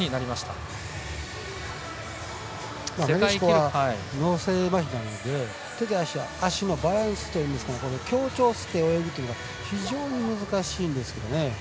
メレシコは脳性まひなので手と足のバランスというか協調して泳ぐということが非常に難しいんですけどね。